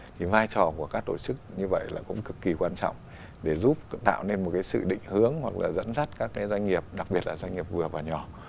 thì vai trò của các tổ chức như vậy là cũng cực kỳ quan trọng để giúp tạo nên một cái sự định hướng hoặc là dẫn dắt các doanh nghiệp đặc biệt là doanh nghiệp vừa và nhỏ